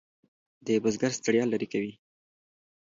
د بزګر ستړیا لرې کوي.